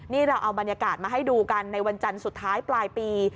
นี่เราเอาบรรยากาศมาให้ดูกันในวันจันทร์สุดท้ายปลายปี